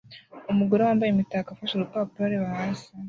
Umugore wambaye imitako afashe urupapuro areba hasi